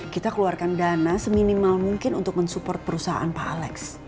kita keluarkan dana seminimal mungkin untuk mensupport perusahaan pak alex